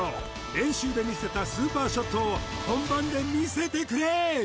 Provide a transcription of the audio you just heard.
練習で見せたスーパーショットを本番で見せてくれ！